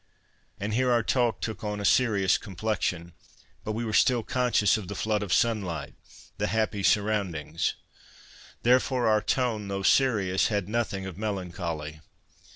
And here our talk took on a serious com plexion ; but we were still conscious of the flood of sunlight, the happy surroundings. Therefore, our tone, though serious, had nothing of melancholy.